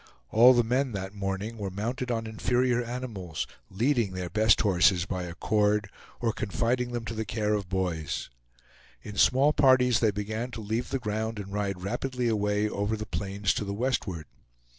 All the men that morning were mounted on inferior animals, leading their best horses by a cord, or confiding them to the care of boys. In small parties they began to leave the ground and ride rapidly away over the plains to the westward.